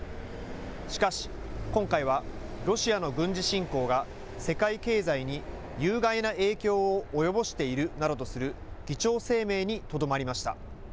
しかし、今回はロシアの軍事侵攻が世界経済に有害な影響を及ぼしているなどとする議長声明にとどまりました。